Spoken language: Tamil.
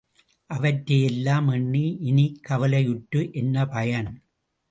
அவற்றை எல்லாம் எண்ணி இனிக் கவலையுற்று என்ன பயன்?